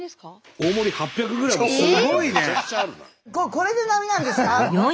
これで並なんですか？